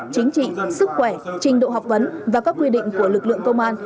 chính trị sức khỏe trình độ học vấn và các quy định của lực lượng công an